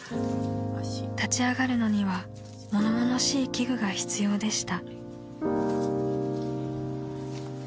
［立ち上がるのには物々しい器具が必要でした］